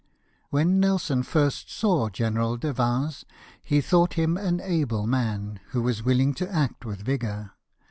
When Nelson first saw General de Vins he thought him an able man, who was willing to act with vigour.